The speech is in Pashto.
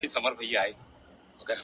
د سړک پر غاړه شګه تل د پښو نښې ژر خوري،